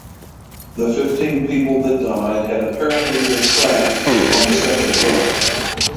The fifteen people that died had apparently been trapped on the second floor.